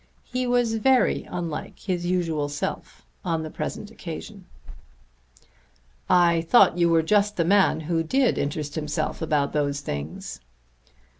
He was very unlike his usual self on the present occasion. "I thought you were just the man who did interest himself about those things."